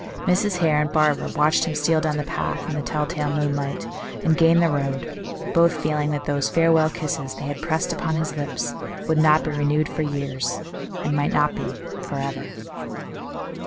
Mrs. Hare and Barbara watched him steal down the path in the telltale moonlight, and gain the road, both feeling that those farewell kisses they had pressed upon his lips would not be renewed for years, and might not be forever.